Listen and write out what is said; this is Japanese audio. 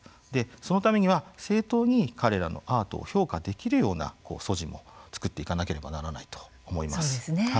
そのためには正当に彼らのアートを評価できるような素地も作っていかなければならないと思います。